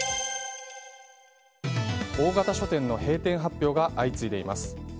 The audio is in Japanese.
大型書店の閉店発表が相次いでいます。